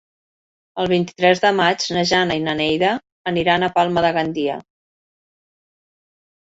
El vint-i-tres de maig na Jana i na Neida aniran a Palma de Gandia.